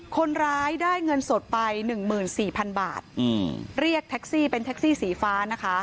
คนร้ายได้เงินสดไปหนึ่งหมื่นสี่พันบาทเรียกแท็กซี่เป็นแท็กซี่สีฟ้านะคะ